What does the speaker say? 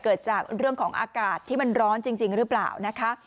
เกิดจากเรื่องของอากาศที่มันร้อนจริงหรือเปล่านะคะ